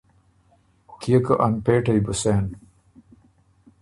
کيې که انپېټئ بُو سېن۔